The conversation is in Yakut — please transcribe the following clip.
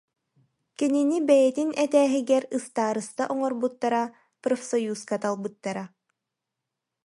Кинини бэйэтин этээһигэр ыстаарыста оҥорбуттара, профсоюзка талбыттара